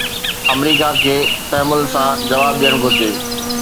آمريڪا کي تحمل سان جواب ڏيڻ گهرجي.